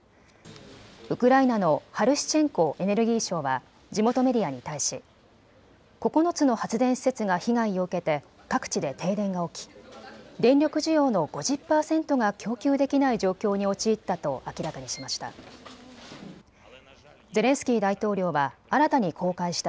ウクライナのハルシチェンコエネルギー相は地元メディアに対し９つの発電施設が被害を受けて各地で停電が起き、電力需要の５０％が供給できない状況に陥ったと明らかにしました。